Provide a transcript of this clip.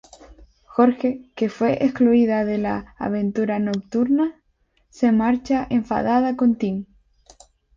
Jorge, que fue excluida de la aventura nocturna, se marcha enfadada con Tim.